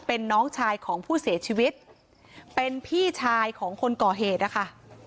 เป็นน้องชายของผู้เสียชีวิตเป็นพี่ชายของคนก่อเหตุนะคะ